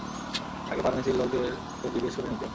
আগে ফার্মেসির লোকদের তো জিজ্ঞেস করে নিতে?